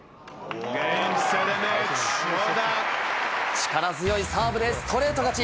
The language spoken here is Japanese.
力強いサーブでストレート勝ち。